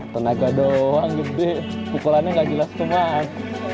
tenaga doang gitu kukulannya nggak jelas keman